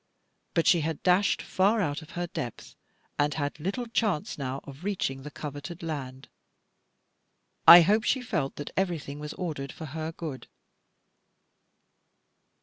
But she had dashed far out of her depth, and had little chance now of reaching the coveted land. I hope she felt that everything was ordered for her good.